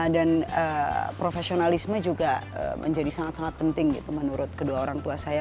dan profesionalisme juga menjadi sangat sangat penting menurut kedua orang tua saya